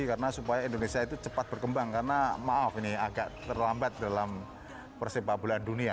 karena supaya indonesia itu cepat berkembang karena maaf ini agak terlambat dalam persepak bola dunia